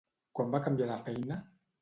Quan va canviar de feina?